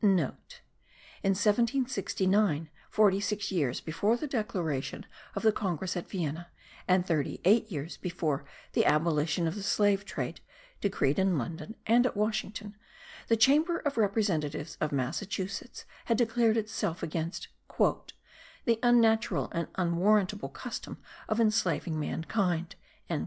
*(* In 1769, forty six years before the declaration of the Congress at Vienna, and thirty eight years before the abolition of the slave trade, decreed in London and at Washington, the Chamber of Representatives of Massachusetts had declared itself against "the unnatural and unwarrantable custom of enslaving mankind."